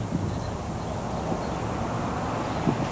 一个程序不必用同一种格式的源代码书写。